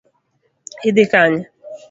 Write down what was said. Idhi Kanye?